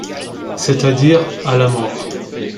C'est-à-dire à la mort.